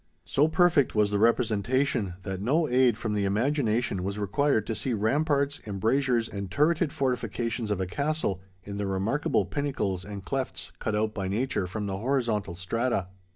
So perfect was the representation, that no aid from the imagination was required to see ramparts, embrasures, and turreted fortifications of a castle, in the remarkable pinnacles and clefts cut out by nature from the horizontal strata.